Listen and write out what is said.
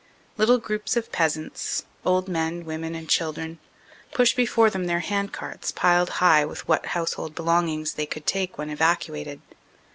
Little groups of peasants, old men, women and children, push before them their hand carts piled high with what house hold belongings they could take when evacuated.